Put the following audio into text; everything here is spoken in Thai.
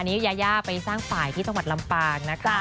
อันนี้ยาย่าไปสร้างฝ่ายที่จังหวัดลำปางนะคะ